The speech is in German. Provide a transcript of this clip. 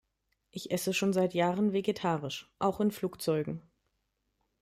Ich esse schon seit Jahren vegetarisch, auch in Flugzeugen.